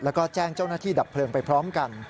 แล้วก็แจ้งเจ้าหน้าที่ดับเพลิงไปพร้อมกัน